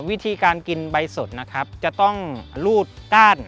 วิธีการกินใบสดจะต้องลูดก้าน